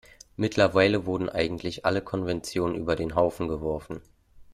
Mittlerweile wurden eigentlich alle Konventionen über den Haufen geworfen.